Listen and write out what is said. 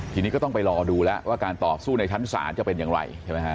ทีนี้ก็ต้องไปรอดูแล้วว่าการต่อสู้ในชั้นศาลจะเป็นอย่างไรใช่ไหมฮะ